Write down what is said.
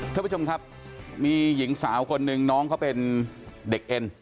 ท่านผู้ชมครับมีหญิงสาวคนหนึ่งน้องเขาเป็นเด็กเอ็น